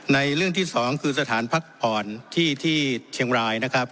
เรื่องที่สองคือสถานพักผ่อนที่เชียงรายนะครับ